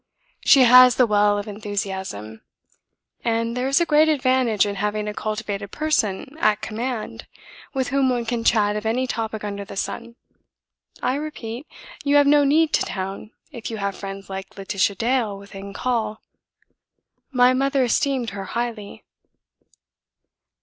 She has the well of enthusiasm. And there is a great advantage in having a cultivated person at command, with whom one can chat of any topic under the sun. I repeat, you have no need of town if you have friends like Laetitia Dale within call. My mother esteemed her highly."